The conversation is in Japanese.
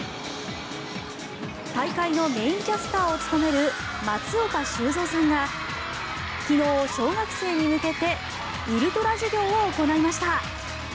大会のメインキャスターを務める松岡修造さんが昨日、小学生に向けてウルトラ授業を行いました。